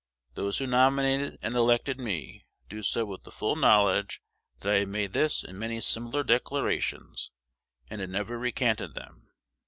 Those who nominated and elected me did so with the full knowledge that I had made this and many similar declarations, and had never recanted them.